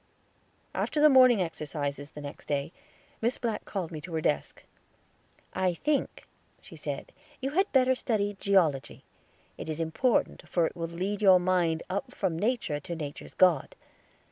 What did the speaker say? After the morning exercises the next day, Miss Black called me in to her desk. "I think," she said, "you had better study Geology. It is important, for it will lead your mind up from nature to nature's God.